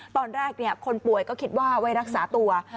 ตอนแรกคนป่วยก็คิดว่าไว้รักษาตัว